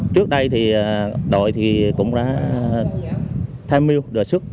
trước đây thì đội thì cũng đã thay mưu đòi xuất